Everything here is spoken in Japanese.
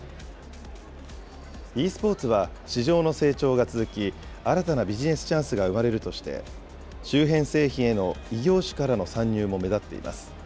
ｅスポーツは市場の成長が続き、新たなビジネスチャンスが生まれるとして、周辺製品への異業種からの参入も目立っています。